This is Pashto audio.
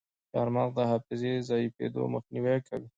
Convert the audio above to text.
چارمغز د حافظې ضعیفیدو مخنیوی کوي.